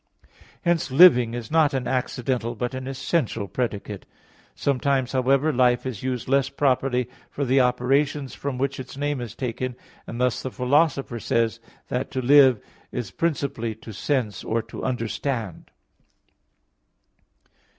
Hence "living" is not an accidental but an essential predicate. Sometimes, however, life is used less properly for the operations from which its name is taken, and thus the Philosopher says (Ethic. ix, 9) that to live is principally to sense or to understand.